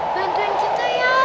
bantuin kita ya